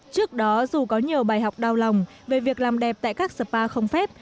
trước đó dù có nhiều bài học đau lòng về việc làm đẹp tại các spa không phép